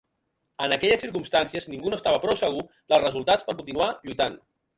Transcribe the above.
En aquelles circumstàncies ningú no estava prou segur dels resultats per continuar lluitant.